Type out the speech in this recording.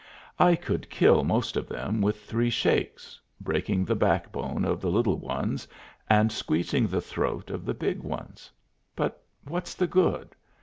I could kill most of them with three shakes, breaking the backbone of the little ones and squeezing the throat of the big ones. But what's the good?